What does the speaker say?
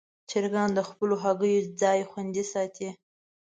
چرګان د خپلو هګیو ځای خوندي ساتي.